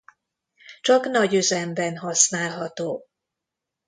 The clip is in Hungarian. Csak nagyüzemben használható.